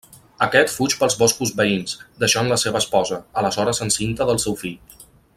Aquest fuig pels boscos veïns, deixant la seva esposa, aleshores encinta del seu fill.